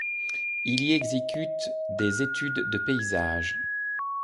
Il y exécute des études de paysages.